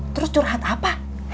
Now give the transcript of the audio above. terus curhat apa